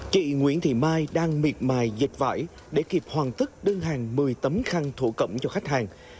chị nguyễn thị mai đang miệt mài dịch vải để kịp hoàn tất đơn hàng một mươi tấm khăn thổ cẩm cho khách hàng